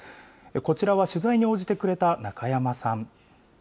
こちらは取材に応じてくれた中山さん。